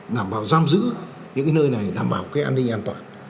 đảm bảo giam giữ những nơi này đảm bảo cái an ninh an toàn